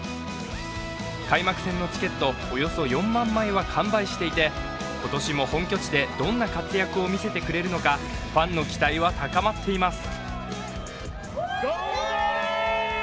開幕戦のチケット、およそ４万枚は完売していて、今年も本拠地で、どんな活躍を見せてくれるのか、ファンの期待は高まっています。